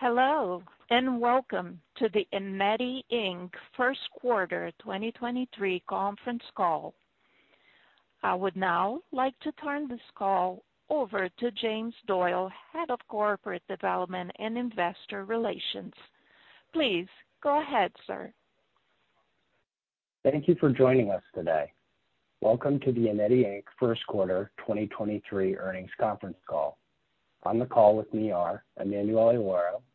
Hello, and welcome to the Eneti Inc. first quarter 2023 conference call. I would now like to turn this call over to James Doyle, Head of Corporate Development and Investor Relations. Please go ahead, sir. Thank you for joining us today. Welcome to the Eneti Inc. first quarter 2023 earnings conference call. On the call with me are Emanuele Lauro, Chief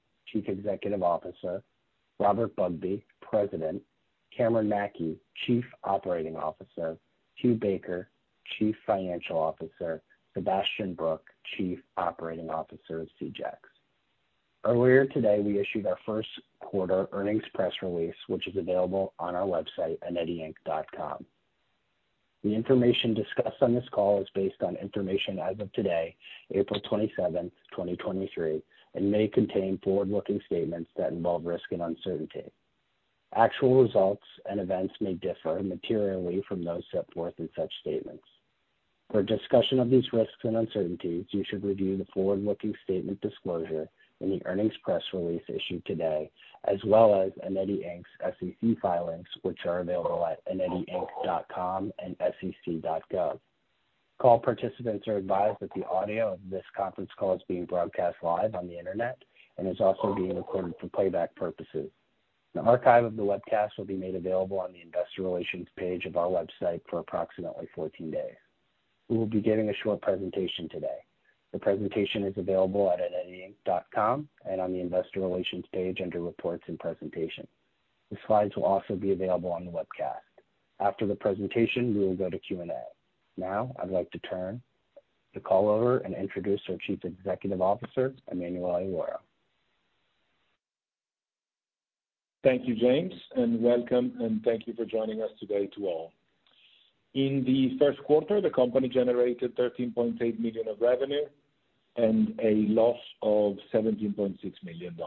Executive Officer, Robert Bugbee, President, Cameron Mackey, Chief Operating Officer, Hugh Baker, Chief Financial Officer, Sebastian Brooke, Chief Operating Officer of Seajacks. Earlier today, we issued our first quarter earnings press release, which is available on our website, eneti-inc.com. The information discussed on this call is based on information as of today, April 27, 2023, and may contain forward-looking statements that involve risk and uncertainty. Actual results and events may differ materially from those set forth in such statements. For a discussion of these risks and uncertainties, you should review the forward-looking statement disclosure in the earnings press release issued today, as well as Eneti Inc.'s SEC filings, which are available at eneti-inc.com and sec.gov. Call participants are advised that the audio of this conference call is being broadcast live on the Internet and is also being recorded for playback purposes. An archive of the webcast will be made available on the investor relations page of our website for approximately 14 days. We will be giving a short presentation today. The presentation is available at eneti-inc.com and on the investor relations page under Reports and Presentation. The slides will also be available on the webcast. After the presentation, we will go to Q&A. Now, I'd like to turn the call over and introduce our Chief Executive Officer, Emanuele Lauro. Thank you, James, and welcome, and thank you for joining us today to all. In the first quarter, the company generated $13.8 million of revenue and a loss of $17.6 million.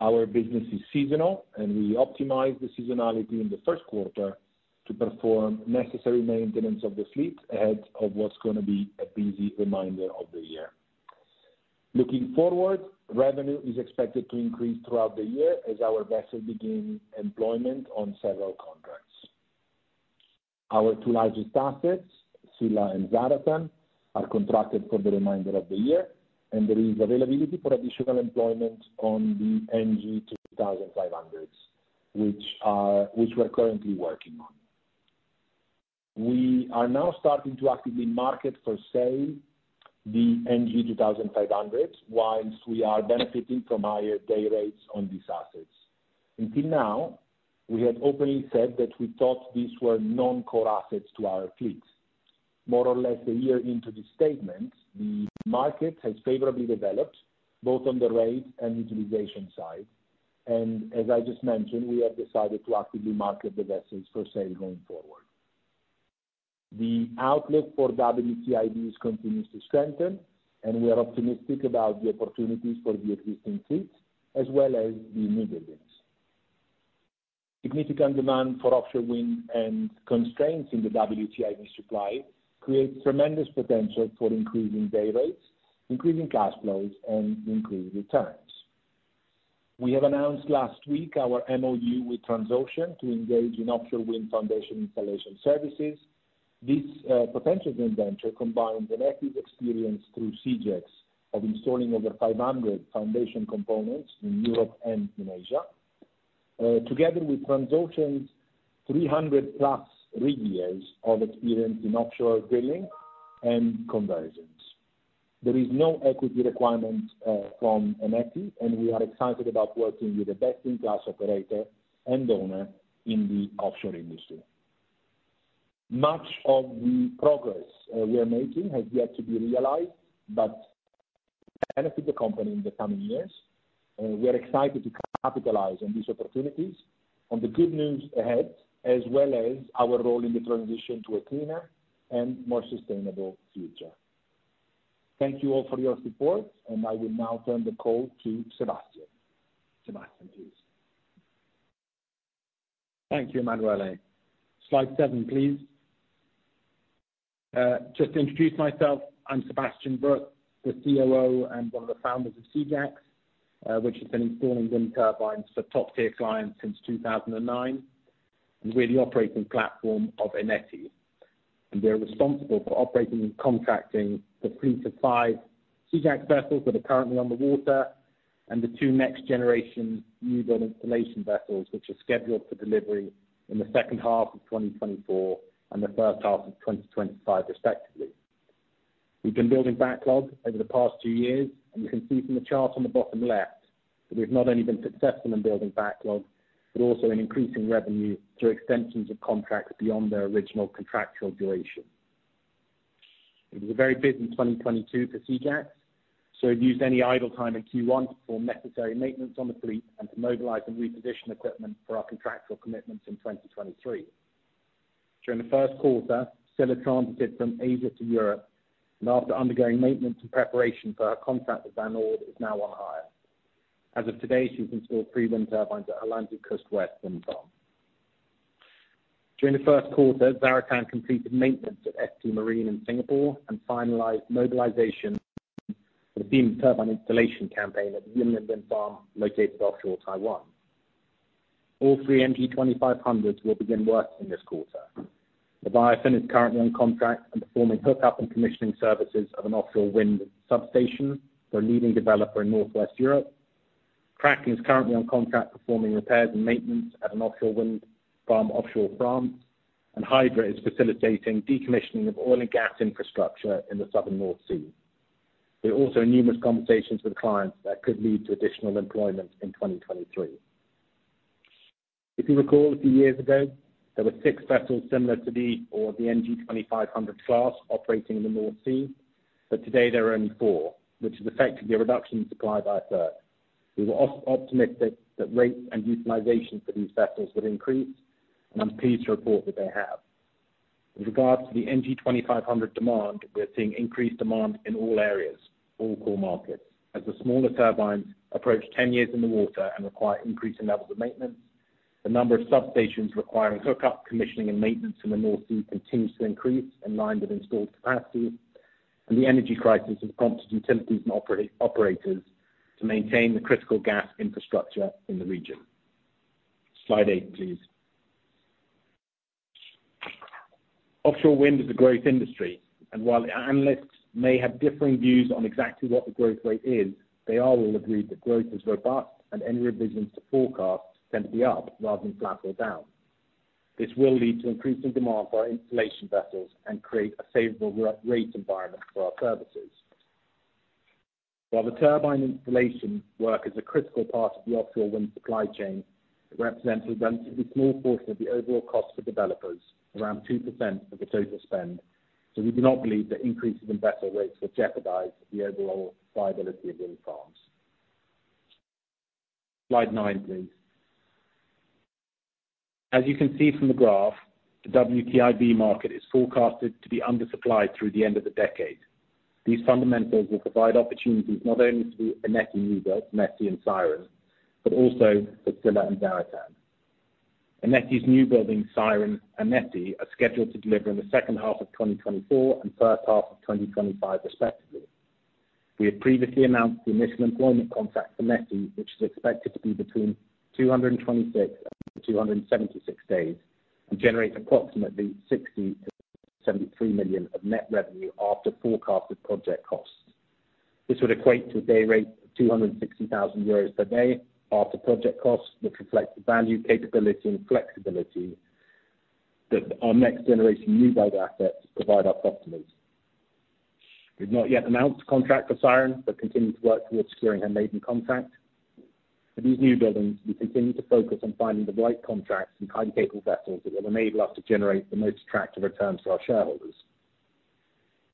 Our business is seasonal, and we optimize the seasonality in the first quarter to perform necessary maintenance of the fleet ahead of what's gonna be a busy reminder of the year. Looking forward, revenue is expected to increase throughout the year as our vessels begin employment on several contracts. Our two largest assets, Scylla and Zaratan, are contracted for the remainder of the year, and there is availability for additional employment on the NG2500X, which we're currently working on. We are now starting to actively market for sale the NG2500X while we are benefiting from higher day rates on these assets. Until now, we had openly said that we thought these were non-core assets to our fleet. More or less one year into this statement, the market has favorably developed both on the rate and utilization side. As I just mentioned, we have decided to actively market the vessels for sale going forward. The outlook for WTIV continues to strengthen, and we are optimistic about the opportunities for the existing fleet, as well as the new buildings. Significant demand for offshore wind and constraints in the WTIV supply creates tremendous potential for increasing day rates, increasing cash flows and increased returns. We have announced last week our MOU with Transocean to engage in offshore wind foundation installation services. This potential joint venture combines an active experience through Seajacks of installing over 500 foundation components in Europe and in Asia, together with Transocean's 300 plus rig years of experience in offshore drilling and conversions. There is no equity requirement from Eneti. We are excited about working with a best-in-class operator and owner in the offshore industry. Much of the progress we are making has yet to be realized but benefit the company in the coming years. We are excited to capitalize on these opportunities, on the good news ahead, as well as our role in the transition to a cleaner and more sustainable future. Thank you all for your support. I will now turn the call to Sebastian. Sebastian, please. Thank you, Emanuele. Slide seven, please. Just to introduce myself, I'm Sebastian Brooke, the COO and one of the founders of Seajacks, which has been installing wind turbines for top-tier clients since 2009. We're the operating platform of Eneti, and we're responsible for operating and contracting the fleet of five Seajacks vessels that are currently on the water, and the two next-generation new build installation vessels, which are scheduled for delivery in the second half of 2024 and the first half of 2025 respectively. We've been building backlog over the past two years, and you can see from the chart on the bottom left that we've not only been successful in building backlog, but also in increasing revenue through extensions of contracts beyond their original contractual duration. It was a very busy 2022 for Seajacks. We've used any idle time in Q1 to perform necessary maintenance on the fleet and to mobilize and reposition equipment for our contractual commitments in 2023. During the first quarter, Scylla transited from Asia to Europe, and after undergoing maintenance and preparation for her contract with Van Oord, is now on hire. As of today, she's installed three wind turbines at Arcadis Ost 1. During the first quarter, Zaratan completed maintenance at ST Marine in Singapore and finalized mobilization for the Yunlin turbine installation campaign at the Yunlin wind farm located offshore Taiwan. All three NG 2,500s will begin work in this quarter. The Via Finn is currently on contract and performing hook up and commissioning services of an offshore wind substation for a leading developer in Northwest Europe. Kraken is currently on contract, performing repairs and maintenance at an offshore wind farm offshore France, and Hydra is facilitating decommissioning of oil and gas infrastructure in the southern North Sea. There are also numerous conversations with clients that could lead to additional employment in 2023. If you recall a few years ago, there were six vessels similar to the NG2500X class operating in the North Sea. Today there are only four, which is effectively a reduction in supply by a third. We were optimistic that rate and utilization for these vessels would increase. I'm pleased to report that they have. With regards to the NG2500X demand, we are seeing increased demand in all areas, all core markets. As the smaller turbines approach 10 years in the water and require increasing levels of maintenance, the number of substations requiring hook up, commissioning, and maintenance in the North Sea continues to increase in line with installed capacity. The energy crisis has prompted utilities and operators to maintain the critical gas infrastructure in the region. Slide eight, please. Offshore wind is a growth industry. While analysts may have differing views on exactly what the growth rate is, they all will agree that growth is robust. Any revisions to forecast tend to be up rather than flat or down. This will lead to increasing demand for our installation vessels and create a favorable re-rate environment for our services. While the turbine installation work is a critical part of the offshore wind supply chain, it represents a relatively small portion of the overall cost to developers, around 2% of the total spend. We do not believe that increases in vessel rates will jeopardize the overall viability of wind farms. Slide nine, please. As you can see from the graph, the WTIV market is forecasted to be undersupplied through the end of the decade. These fundamentals will provide opportunities not only to Nessie newbuild, Nessie and Siren, but also for Scylla and Zaratan. Nessie and Siren are scheduled to deliver in the second half of 2024 and first half of 2025 respectively. We have previously announced the initial employment contract for Nessie, which is expected to be between 226 and 276 days and generates approximately 60 million-73 million of net revenue after forecasted project costs. This would equate to a day rate of 260,000 euros per day after project costs, which reflects the value, capability and flexibility that our next generation newbuild assets provide our customers. We've not yet announced a contract for Siren, but continue to work towards securing her maiden contract. For these new buildings, we continue to focus on finding the right contracts and highly capable vessels that will enable us to generate the most attractive returns to our shareholders.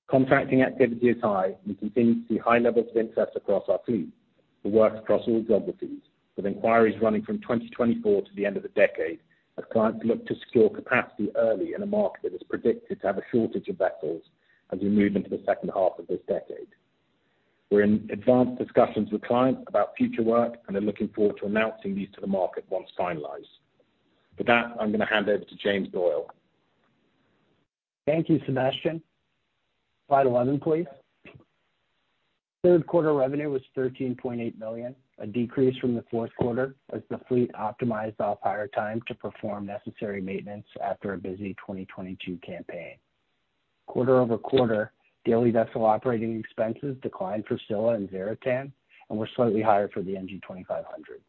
Contracting activity is high. We continue to see high levels of interest across our fleet for works across all geographies, with inquiries running from 2024 to the end of the decade as clients look to secure capacity early in a market that is predicted to have a shortage of vessels as we move into the second half of this decade. We're in advanced discussions with clients about future work and are looking forward to announcing these to the market once finalized. With that, I'm gonna hand over to James Doyle. Thank you, Sebastian. Slide 11, please. third quarter revenue was $13.8 million, a decrease from the fourth quarter as the fleet optimized off-hire time to perform necessary maintenance after a busy 2022 campaign. Quarter-over-quarter, daily vessel operating expenses declined for Scylla and Zaratan and were slightly higher for the NG 2500.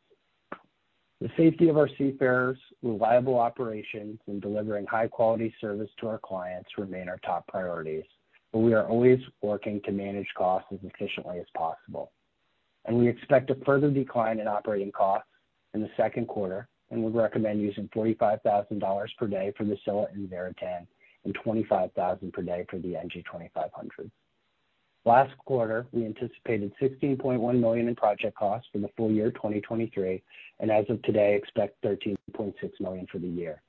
The safety of our seafarers, reliable operations and delivering high quality service to our clients remain our top priorities, but we are always working to manage costs as efficiently as possible. We expect a further decline in operating costs in the second quarter and would recommend using $45,000 per day for the Scylla and Zaratan, and $25,000 per day for the NG 2500. Last quarter, we anticipated $16.1 million in project costs for the full year 2023. As of today, expect $13.6 million for the year.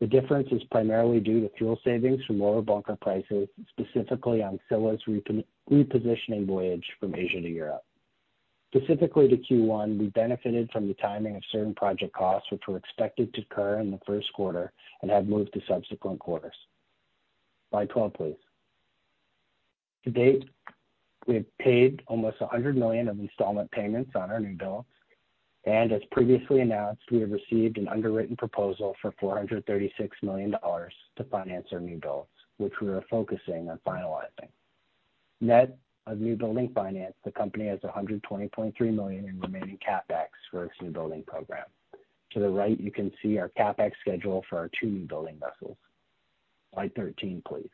The difference is primarily due to fuel savings from lower bunker prices, specifically on Scylla's repositioning voyage from Asia to Europe. Specifically to Q1, we benefited from the timing of certain project costs which were expected to occur in the first quarter and have moved to subsequent quarters. Slide 12, please. To date, we have paid almost $100 million of installment payments on our new builds. As previously announced, we have received an underwritten proposal for $436 million to finance our new builds, which we are focusing on finalizing. Net of new building finance, the company has $120.3 million in remaining CapEx for its new building program. To the right, you can see our CapEx schedule for our two new building vessels. Slide 13, please.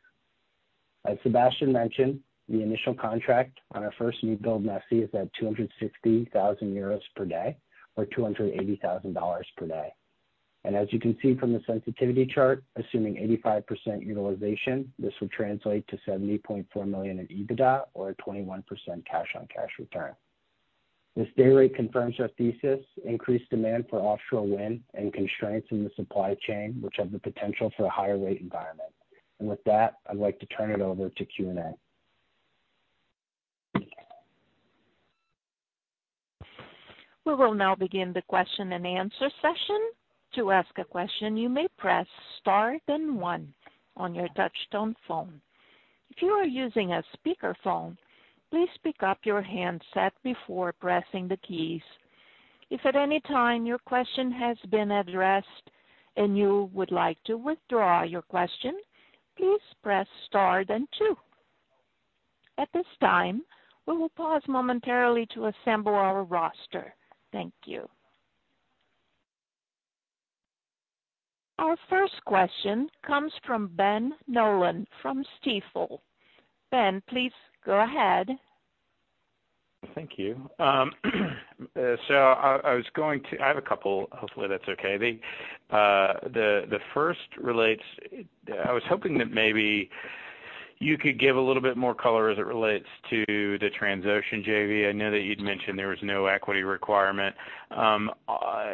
As Sebastian mentioned, the initial contract on our first new build, Nessie, is at 260,000 euros per day or $280,000 per day. As you can see from the sensitivity chart, assuming 85% utilization, this would translate to $70.4 million in EBITDA or a 21% cash-on-cash return. This day rate confirms our thesis, increased demand for offshore wind and constraints in the supply chain, which have the potential for a higher rate environment. With that, I'd like to turn it over to Q&A. We will now begin the question and answer session. To ask a question, you may press Star then one on your touchtone phone. If you are using a speaker phone, please pick up your handset before pressing the keys. If at any time your question has been addressed and you would like to withdraw your question, please press Star then two. At this time, we will pause momentarily to assemble our roster. Thank you. Our first question comes from Ben Nolan from Stifel. Ben, please go ahead. Thank you. I have a couple. Hopefully that's okay. The first relates. I was hoping that maybe you could give a little bit more color as it relates to the Transocean JV. I know that you'd mentioned there was no equity requirement.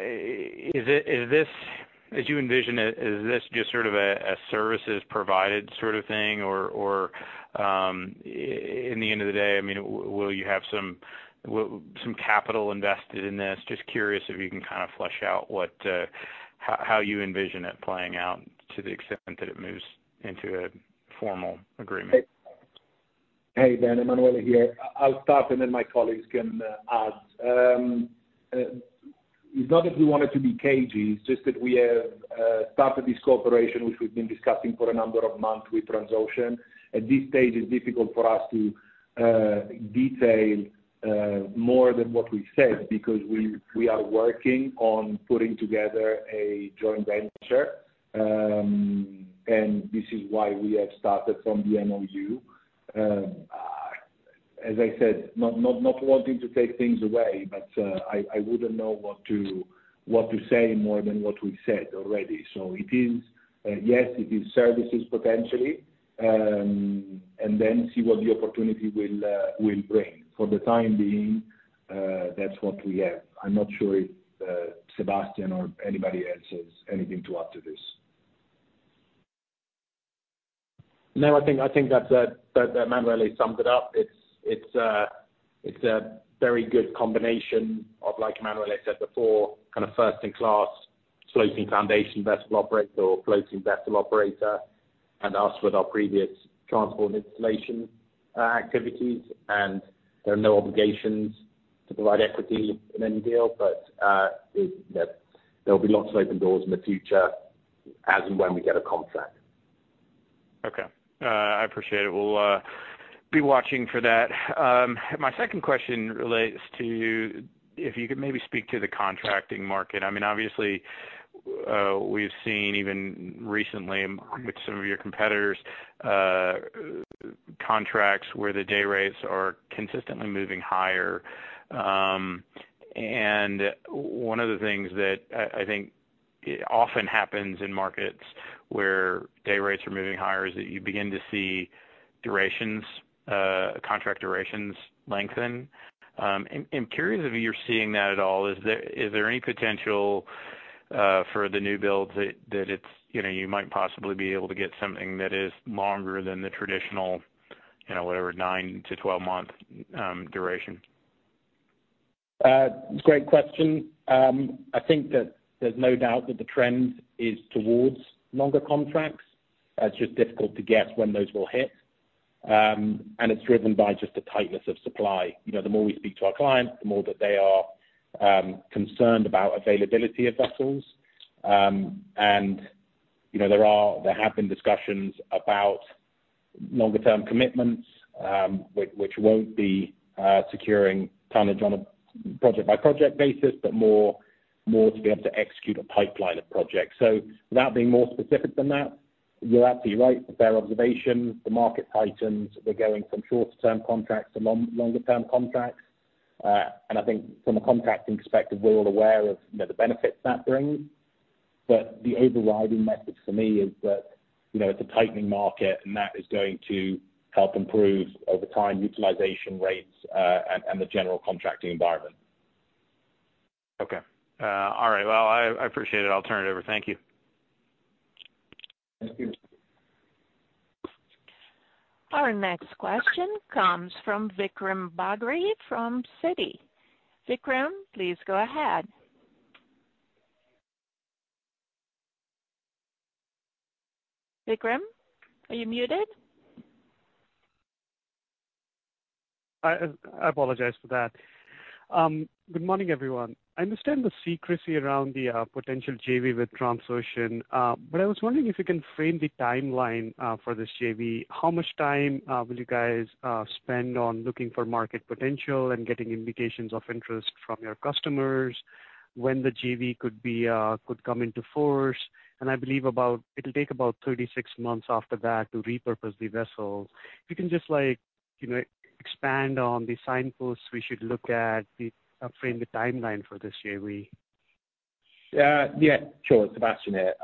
Is this, as you envision it, just sort of a services provided sort of thing? In the end of the day, I mean, will you have some capital invested in this? Just curious if you can kind of flesh out what, how you envision it playing out to the extent that it moves into a formal agreement. Hey, Ben. Emanuele here. I'll start, and then my colleagues can add. It's not that we want it to be cagey, it's just that we have started this cooperation which we've been discussing for a number of months with Transocean. At this stage, it's difficult for us to detail more than what we've said because we are working on putting together a joint venture. This is why we have started from the MOU. As I said, not wanting to take things away, but I wouldn't know what to say more than what we've said already. It is, yes, it is services potentially, and then see what the opportunity will bring. For the time being, that's what we have. I'm not sure if Sebastian or anybody else has anything to add to this. No, I think that Emanuele summed it up. It's a very good combination of, like Emanuele said before, kind of first in class floating foundation vessel operator or floating vessel operator, and us with our previous transport and installation activities. There are no obligations to provide equity in any deal. It, you know, there'll be lots of open doors in the future as and when we get a contract. Okay. I appreciate it. We'll be watching for that. My second question relates to if you could maybe speak to the contracting market. I mean, obviously, we've seen even recently with some of your competitors, contracts where the day rates are consistently moving higher. One of the things that I think often happens in markets where day rates are moving higher is that you begin to see durations, contract durations lengthen. I'm curious if you're seeing that at all. Is there any potential for the new builds that it's, you know, you might possibly be able to get something that is longer than the traditional, you know, whatever, nine-12 month duration? Great question. I think that there's no doubt that the trend is towards longer contracts. It's just difficult to guess when those will hit. It's driven by just the tightness of supply. You know, the more we speak to our clients, the more that they are concerned about availability of vessels. You know, there have been discussions about longer term commitments, which won't be securing tonnage on a project-by-project basis, but more to be able to execute a pipeline of projects. Without being more specific than that, you're absolutely right. Fair observation. The market tightens. We're going from short-term contracts to longer term contracts. I think from a contracting perspective, we're all aware of, you know, the benefits that brings. The overriding message for me is that, you know, it's a tightening market, and that is going to help improve over time utilization rates, and the general contracting environment. Okay. all right, well, I appreciate it. I'll turn it over. Thank you. Thank you. Our next question comes from Vikram Bagri from Citi. Vikram, please go ahead. Vikram, are you muted? I apologize for that. Good morning, everyone. I understand the secrecy around the potential JV with Transocean, but I was wondering if you can frame the timeline for this JV. How much time will you guys spend on looking for market potential and getting indications of interest from your customers? When the JV could come into force? I believe it'll take about 36 months after that to repurpose the vessels. If you can just like, you know, expand on the signposts we should look at to frame the timeline for this JV. Yeah, sure. Sebastian here.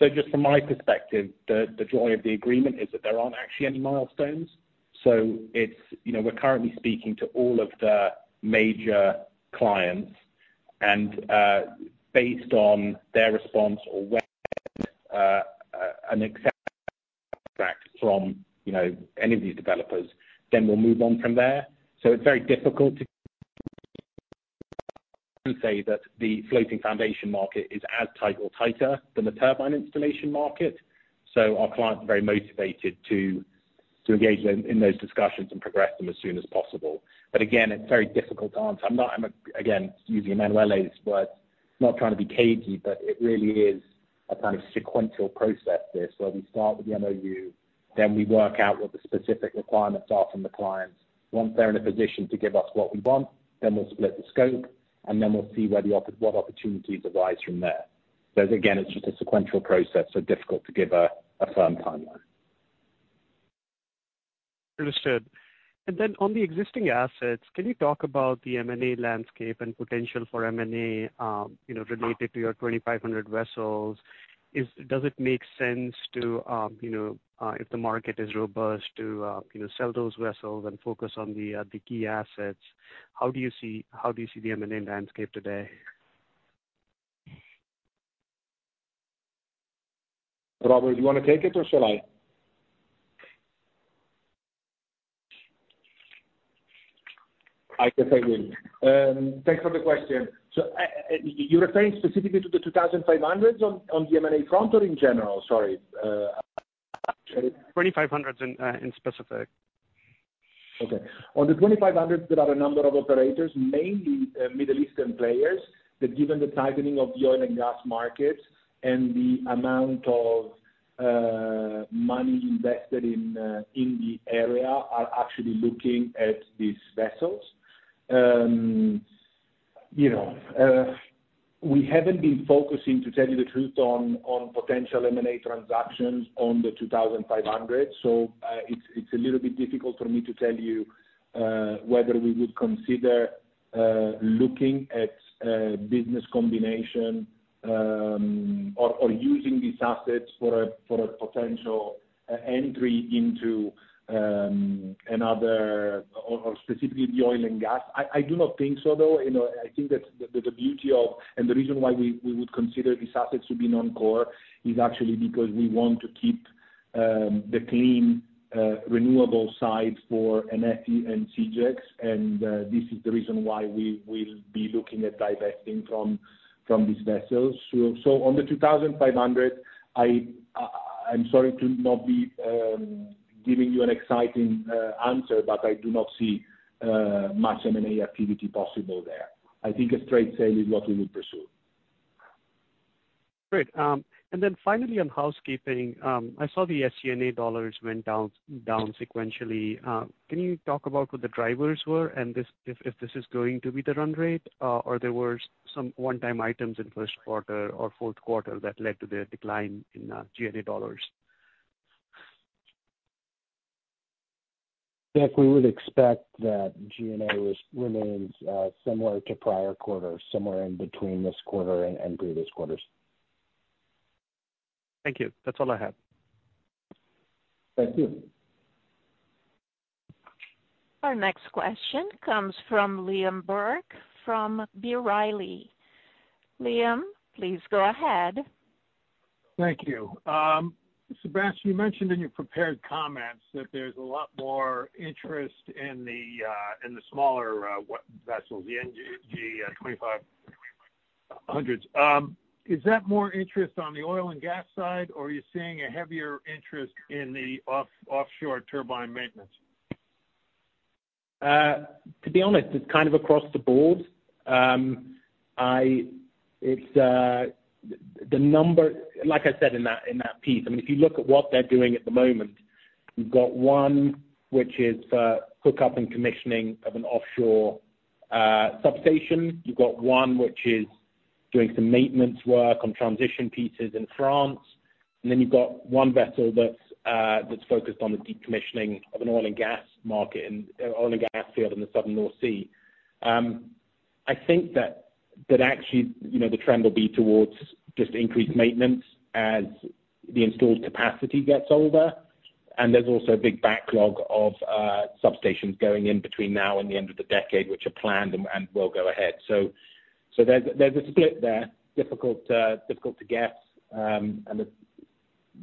Just from my perspective, the joy of the agreement is that there aren't actually any milestones. It's, you know, we're currently speaking to all of the major clients and, based on their response or an accept from, you know, any of these developers, then we'll move on from there. It's very difficult to and say that the floating foundation market is as tight or tighter than the turbine installation market. Our clients are very motivated to engage in those discussions and progress them as soon as possible. Again, it's very difficult to answer. I'm not, again, using Emanuele's words, not trying to be cagey, but it really is a kind of sequential process there, so we start with the MOU, then we work out what the specific requirements are from the clients. Once they're in a position to give us what we want, then we'll split the scope, and then we'll see where what opportunities arise from there. Again, it's just a sequential process, so difficult to give a firm timeline. Understood. On the existing assets, can you talk about the M&A landscape and potential for M&A, you know, related to your 2,500 vessels? Does it make sense to, you know, if the market is robust to, you know, sell those vessels and focus on the key assets? How do you see the M&A landscape today? Robert, do you wanna take it or shall I? I guess I will. Thanks for the question. You're referring specifically to the 2500s on the M&A front or in general? Sorry. 2,500s in specific. Okay. On the 2,500s, there are a number of operators, mainly, Middle Eastern players, that given the tightening of the oil and gas markets and the amount of money invested in the area, are actually looking at these vessels. You know, we haven't been focusing, to tell you the truth, on potential M&A transactions on the 2,500s. It's a little bit difficult for me to tell you whether we would consider looking at a business combination or using these assets for a potential e-entry into another or specifically the oil and gas. I do not think so, though. I think that the beauty of and the reason why we would consider these assets to be non-core is actually because we want to keep the clean, renewable side for Eneti and Seajacks, and this is the reason why we will be looking at divesting from these vessels. On the 2500, I'm sorry to not be giving you an exciting answer, but I do not see much M&A activity possible there. I think a trade sale is what we will pursue. Great. Finally on housekeeping, I saw the SG&A dollars went down sequentially. Can you talk about what the drivers were and if this is going to be the run rate, or there were some one-time items in first quarter or fourth quarter that led to the decline in G&A dollars? Vik, we would expect that G&A remains similar to prior quarters, somewhere in between this quarter and previous quarters. Thank you. That's all I have. Thank you. Our next question comes from Liam Burke from B. Riley. Liam, please go ahead. Thank you. Sebastian, you mentioned in your prepared comments that there's a lot more interest in the smaller vessels, the NG2500X. Is that more interest on the oil and gas side, or are you seeing a heavier interest in the offshore turbine maintenance? To be honest, it's kind of across the board. It's, the number... Like I said in that piece, I mean, if you look at what they're doing at the moment, you've got one which is for hookup and commissioning of an offshore substation. You've got one which is doing some maintenance work on transition pieces in France. Then you've got one vessel that's focused on the decommissioning of an oil and gas market in oil and gas field in the southern North Sea. I think that actually, you know, the trend will be towards just increased maintenance as the installed capacity gets older. There's also a big backlog of substations going in between now and the end of the decade which are planned and will go ahead. There's a split there. Difficult to guess.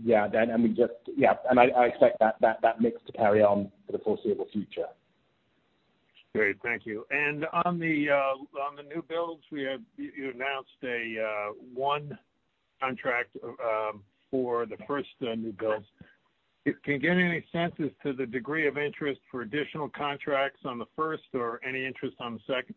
Yeah, we just, yeah, I expect that mix to carry on for the foreseeable future. Great. Thank you. On the new builds, You announced a one contract for the first new builds. Can you give any sense as to the degree of interest for additional contracts on the first or any interest on the second?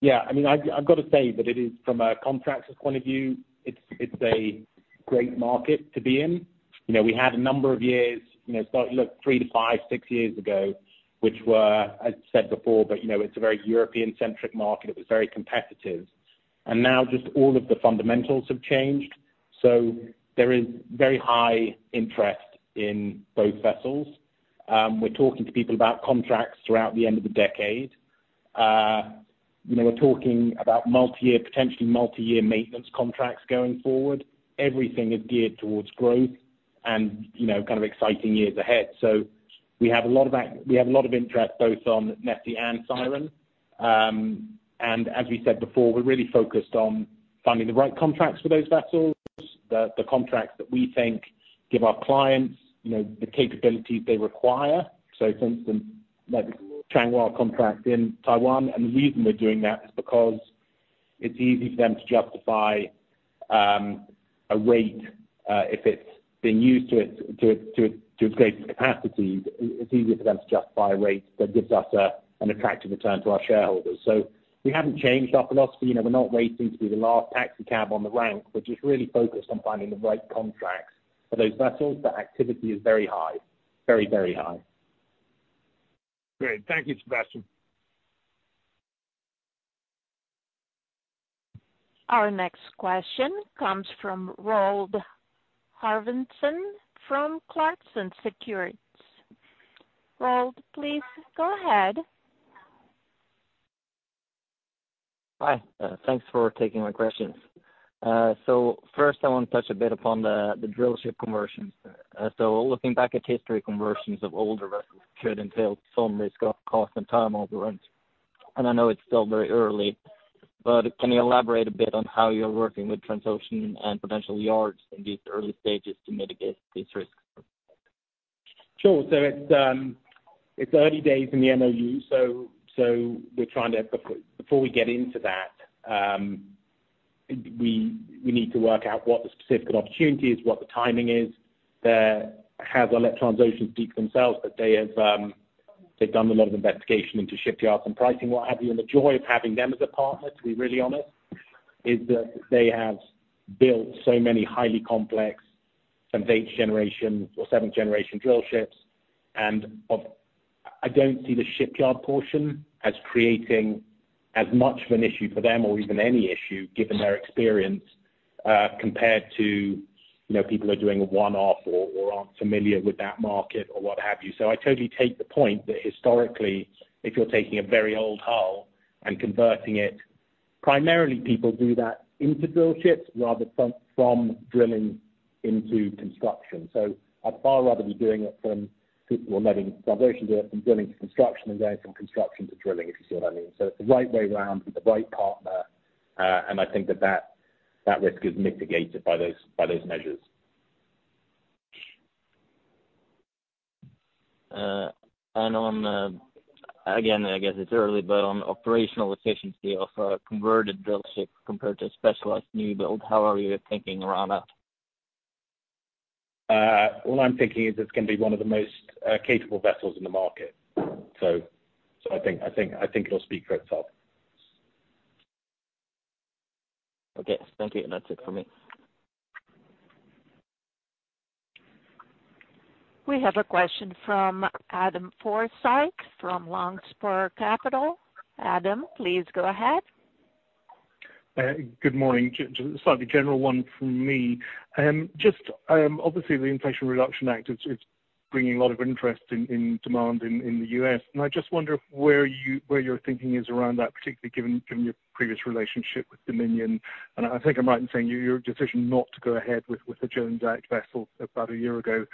Yeah. I mean, I've gotta say that it is from a contractor's point of view, it's a great market to be in. You know, we had a number of years, you know, three to five, six years ago, which were, I said before, you know, it's a very European-centric market. It was very competitive. Now just all of the fundamentals have changed. There is very high interest in both vessels. We're talking to people about contracts throughout the end of the decade. You know, we're talking about multi-year, potentially multi-year maintenance contracts going forward. Everything is geared towards growth. You know, kind of exciting years ahead. We have a lot of interest both on Nessie and Siren. As we said before, we're really focused on finding the right contracts for those vessels. The contracts that we think give our clients, you know, the capabilities they require. For instance, like Changhua contract in Taiwan. The reason we're doing that is because it's easy for them to justify a rate if it's being used to its stated capacity. It's easy for them to justify a rate that gives us an attractive return to our shareholders. We haven't changed our philosophy. You know, we're not racing to be the last taxi cab on the rank. We're just really focused on finding the right contracts for those vessels. Activity is very high. Great. Thank you, Sebastian. Our next question comes from Roald Hartvigsen from Clarksons Securities. Roald, please go ahead. Hi. Thanks for taking my questions. First I wanna touch a bit upon the drillship conversions. Looking back at history, conversions of older vessels could entail some risk of cost and time overruns. I know it's still very early, but can you elaborate a bit on how you're working with Transocean and potential yards in these early stages to mitigate these risks? Sure. It's early days in the MOU, we need to work out what the specific opportunity is, what the timing is. Have to let Transocean speak for themselves, but they have, they've done a lot of investigation into shipyards and pricing, what have you. The joy of having them as a partner, to be really honest, is that they have built so many highly complex, some 8th generation or 7th generation drillships. I don't see the shipyard portion as creating as much of an issue for them or even any issue, given their experience, compared to, you know, people who are doing a one-off or aren't familiar with that market or what have you. I totally take the point that historically, if you're taking a very old hull and converting it, primarily people do that into drillships rather from drilling into construction. I'd far rather be doing it from people or letting Transocean do it from drilling to construction and going from construction to drilling, if you see what I mean. It's the right way around with the right partner, and I think that risk is mitigated by those, by those measures. On, again, I guess it's early, but on operational efficiency of a converted drillship compared to a specialized new build, how are you thinking around that? All I'm thinking is it's gonna be one of the most capable vessels in the market. I think it'll speak for itself. Okay. Thank you. That's it for me. We have a question from Adam Forsyth from Longspur Capital. Adam, please go ahead. Good morning. Just a slightly general one from me. Just, obviously the Inflation Reduction Act, it's bringing a lot of interest in demand in the U.S. I just wonder where you, where your thinking is around that, particularly given your previous relationship with Dominion. I think I'm right in saying your decision not to go ahead with the Jones Act vessel about a year ago.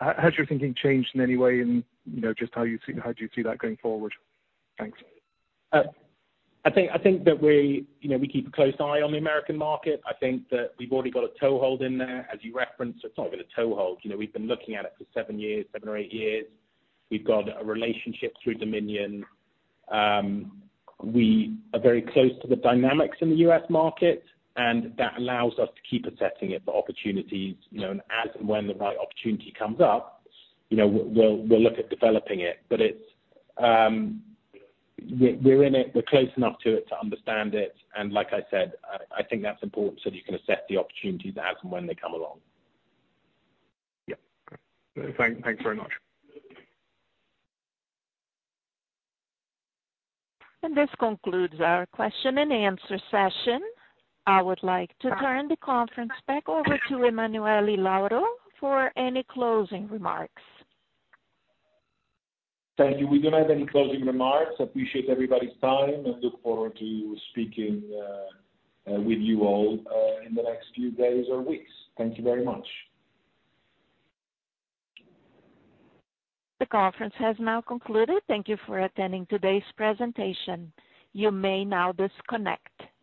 Has your thinking changed in any way in, you know, just how you see, how do you see that going forward? Thanks. I think that we, you know, we keep a close eye on the American market. I think that we've already got a toehold in there, as you referenced. It's not been a toehold. You know, we've been looking at it for seven years, seven or eight years. We've got a relationship through Dominion. We are very close to the dynamics in the U.S. market, and that allows us to keep assessing it for opportunities. You know, and as and when the right opportunity comes up, you know, we'll look at developing it. But it's, we're in it. We're close enough to it to understand it. Like I said, I think that's important so that you can assess the opportunities as and when they come along. Yeah. Great. Thanks very much. This concludes our question and answer session. I would like to turn the conference back over to Emanuele Lauro for any closing remarks. Thank you. We don't have any closing remarks. Appreciate everybody's time and look forward to speaking with you all in the next few days or weeks. Thank you very much. The conference has now concluded. Thank you for attending today's presentation. You may now disconnect.